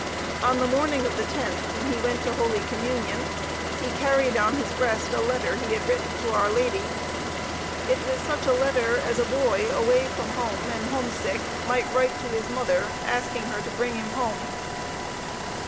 On the morning of the 10th when he went to Holy Communion, he carried on his breast a letter he had written to our Lady. It was such a letter as a boy, away from home, and homesick, might write to his mother, asking her to bring him home.